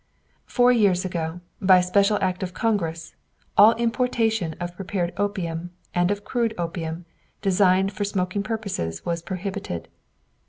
Four years ago, by special act of Congress, all importation of prepared opium and of crude opium designed for smoking purposes was prohibited.